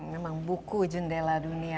memang buku jendela dunia